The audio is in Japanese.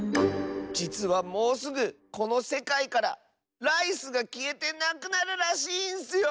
じつはもうすぐこのせかいからライスがきえてなくなるらしいんッスよ！